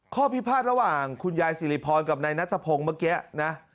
ข้อพิพาทระหว่างคุณยายสิริพรกับนายนัทพงศ์เมื่อกี้นะ